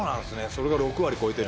それが６割超えてると。